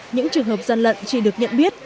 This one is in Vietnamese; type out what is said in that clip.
những trường hợp gian lận chỉ được nhận biết